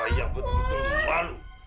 ayah betul betul malu